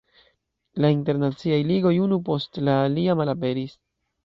La internaciaj ligoj unu post la alia malaperis.